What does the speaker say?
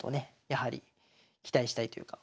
やはり期待したいというか。